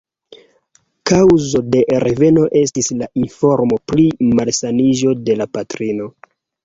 Kaŭzo de reveno estis la informo pri malsaniĝo de la patrino.